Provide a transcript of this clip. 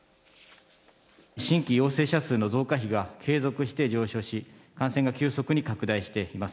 新規陽性者数の増加比が継続して上昇し、感染が急速に拡大しています。